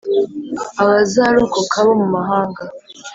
abazarokoka bo mu mahanga